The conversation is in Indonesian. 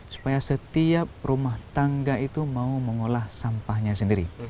supaya setiap rumah tangga itu mau mengolah sampahnya sendiri